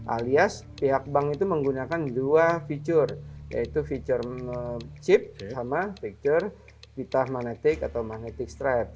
alias pihak bank itu menggunakan dua fitur yaitu fitur chip sama fitur pita magnetic atau magnetic strip